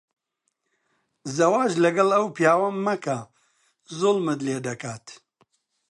زەواج لەگەڵ ئەو پیاوە مەکە. زوڵمت لێ دەکات.